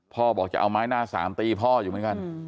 บอกจะเอาไม้หน้าสามตีพ่ออยู่เหมือนกัน